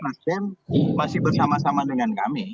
nasdem masih bersama sama dengan kami